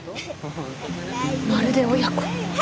まるで親子。